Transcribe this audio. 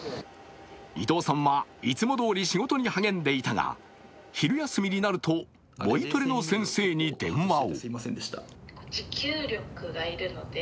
伊藤さんはいつもどおり仕事に励んでいたが昼休みになるとボイトレの先生に電話を。